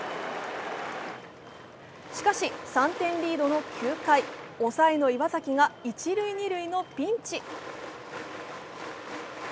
しかし、３点リードの９回、抑えの岩崎が一塁・二塁のピンチ。